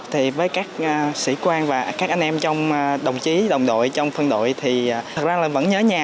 thì với các sĩ quan và các anh em trong đồng chí đồng đội trong phân đội thì thật ra là vẫn nhớ nhà